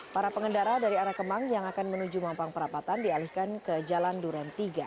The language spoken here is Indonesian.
para pengendara dari arah kemang yang akan menuju mampang perapatan dialihkan ke jalan duren tiga